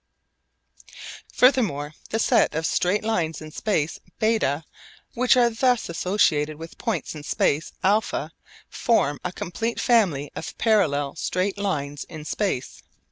Furthermore the set of straight lines in space β which are thus associated with points in space α form a complete family of parallel straight lines in space β.